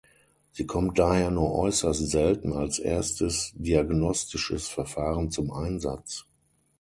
Sie kommt daher nur äußerst selten als erstes diagnostisches Verfahren zum Einsatz.